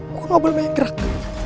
gue gak boleh main gerak